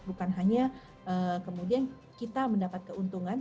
bukan hanya kemudian kita mendapat keuntungan